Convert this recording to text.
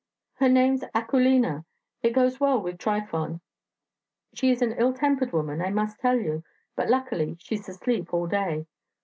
Her name's Akulina; it goes well with Trifon. She is an ill tempered woman, I must tell you, but luckily she's asleep all day...